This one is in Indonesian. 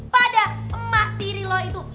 pada emak tiri lo itu